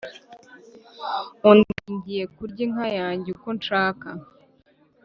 undi ati ngiye kuzarya inka yanjye uko nshaka,